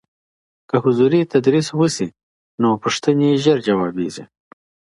که حضوري تدریس وشي، نو پوښتني ژر ځوابېږي.